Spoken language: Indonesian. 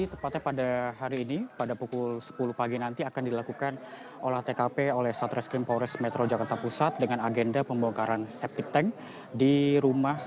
tepatnya pada hari ini pada pukul sepuluh pagi nanti akan dilakukan olah tkp oleh satreskrim polres metro jakarta pusat dengan agenda pembongkaran septic tank di rumah